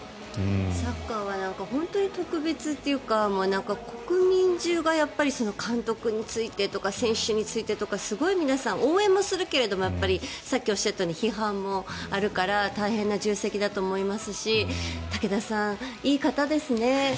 サッカーは本当に特別というか国民中が監督についてとか選手についてとかすごい皆さん応援もするけれどもさっきおっしゃったように批判もあるから大変な重責だと思いますし武田さん、いい方ですね。